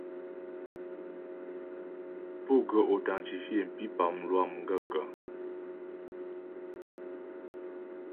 Pú ghə́ authentifier mpípá lwâ m gaə̂kə́ ?